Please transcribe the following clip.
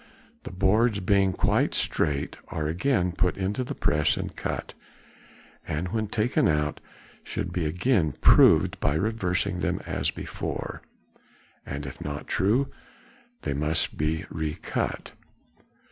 The boards being quite straight are again put into the press and cut, and when taken out should be again proved by reversing them as before, and if not true they must be recut.